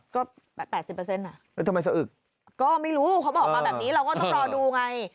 ก็๘๐อ่ะแล้วทำไมสะอึกก็ไม่รู้เขาบอกมาแบบนี้เราก็ต้องรอดูไง